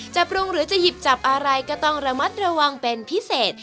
จะปรุงหรือจะหยิบจับอะไรก็ต้องระมัดระวังเป็นพิเศษ